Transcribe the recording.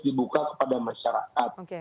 dibuka kepada masyarakat